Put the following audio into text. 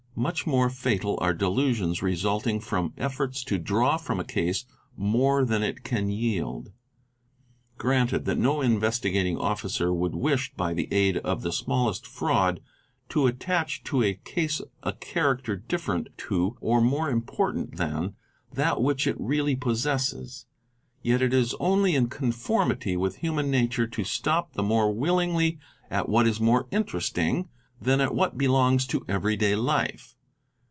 Much more fatal are delusions resulting from efforts to draw from a case more than it can yield. Granted that no Investigat ing Officer would wish by the aid of the smallest fraud to attach to a case a character different to or more important than that which it really possesses, yet it is only in conformity with human nature to stop the more willingly at what is more interesting than at what belongs to every day life.